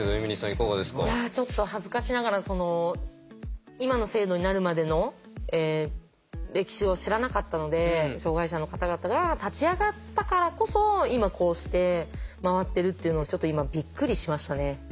いやちょっと恥ずかしながら今の制度になるまでの歴史を知らなかったので障害者の方々が立ち上がったからこそ今こうして回ってるっていうのちょっと今びっくりしましたね。